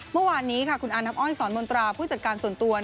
เมื่อวานนี้ค่ะคุณอาน้ำอ้อยสอนมนตราผู้จัดการส่วนตัว